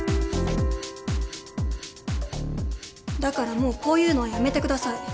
だからもうこういうのはやめてください。